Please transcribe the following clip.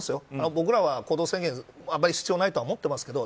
僕らは行動制限あまり必要ないと思ってますけど。